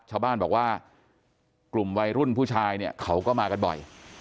ชาวบ้านบอกว่ากลุ่มวัยรุ่นผู้ชายเนี่ยเขาก็มากันบ่อย